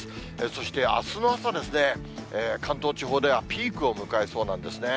そして、あすの朝ですね、関東地方ではピークを迎えそうなんですね。